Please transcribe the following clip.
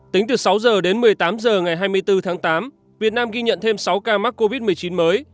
tính từ sáu h đến một mươi tám h ngày hai mươi bốn tháng tám việt nam ghi nhận thêm sáu ca mắc covid một mươi chín mới